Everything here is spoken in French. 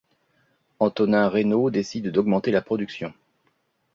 Antonin Raynaud décide d'augmenter la production.